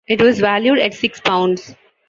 It was valued at six pounds.